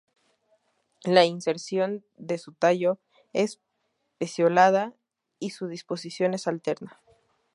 La inserción de su tallo es peciolada y su disposición es alterna.